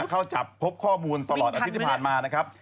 เข้าจับพบข้อมูลตลอดอาทิตย์ที่ผ่านมานะครับ